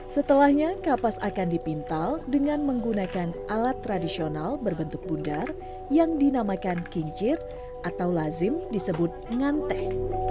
setelahnya kapas akan dipintal dengan menggunakan alat tradisional berbentuk bundar yang dinamakan kincir atau lazim disebut nganteh